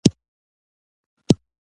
موضوع پوری اړه لری